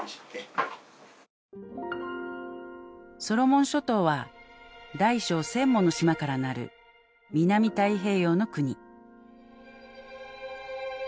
ソロモン諸島は大小１０００もの島からなる南太平洋の国。